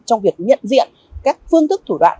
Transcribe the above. trong việc nhận diện các phương thức thủ đoạn